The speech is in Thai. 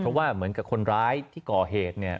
เพราะว่าเหมือนกับคนร้ายที่ก่อเหตุเนี่ย